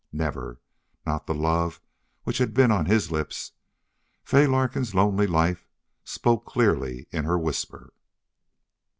Never not the love which had been on his lips. Fay Larkin's lonely life spoke clearly in her whisper.